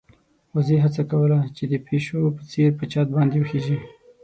وزې هڅه کوله چې د پيشو په څېر په چت باندې وخېژي.